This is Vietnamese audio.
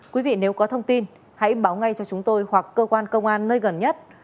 quý vị nếu có thông tin hãy báo ngay cho chúng tôi hoặc cơ quan công an nơi gần nhất